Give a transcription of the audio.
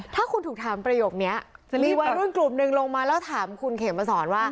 ถ้าคุณถูกถามประโยคนี้จะมีวัยรุ่นกลุ่มหนึ่งลงมาแล้วถามคุณเขมมาสอนว่า